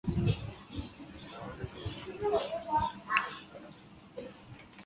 但也有每次开始游戏时的开场白和尾声的读白都是只有英语语音。